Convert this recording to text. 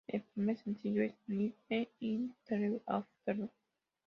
El primer sencillo es "Nine in the Afternoon".